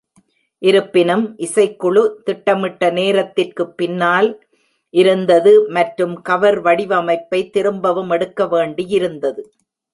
இருப்பினும், இசைக்குழு திட்டமிட்ட நேரத்திற்குப் பின்னால் இருந்தது மற்றும் கவர் வடிவமைப்பை திரும்பவும் எடுக்க வேண்டியிருந்தது.